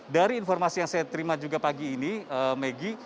dari informasi yang saya terima juga pagi ini maggie